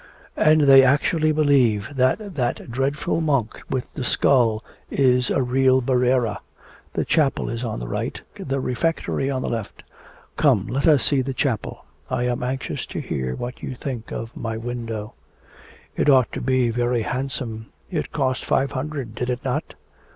'And they actually believe that that dreadful monk with the skull is a real Ribera.... The chapel is on the right, the refectory on the left. Come, let us see the chapel; I am anxious to hear what you think of my window.' 'It ought to be very handsome; it cost five hundred, did it not?'